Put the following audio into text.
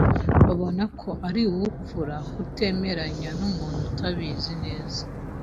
Babona ko ari ubupfura kutemeranya numuntu batazi neza.